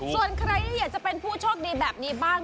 ส่วนใครที่อยากจะเป็นผู้โชคดีแบบนี้บ้าง